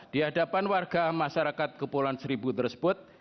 di hadapan warga masyarakat kepulauan seribu tersebut